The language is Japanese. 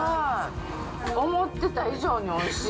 思ってた以上においしい。